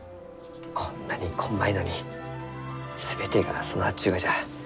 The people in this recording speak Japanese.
こんなにこんまいのに全てが備わっちゅうがじゃ。